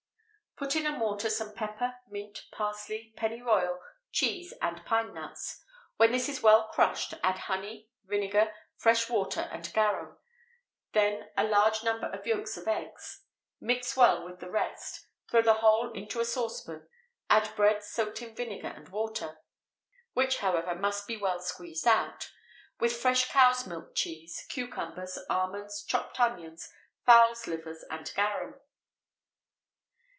_ Put in a mortar some pepper, mint, parsley, pennyroyal, cheese, and pine nuts; when this is well crushed, add honey, vinegar, fresh water, and garum; then a large number of yolks of eggs; mix well with the rest; throw the whole into a saucepan; add bread soaked in vinegar and water, which, however, must be well squeezed out with fresh cow's milk cheese, cucumbers, almonds, chopped onions, fowls' livers, and garum.